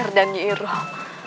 aku dan yirong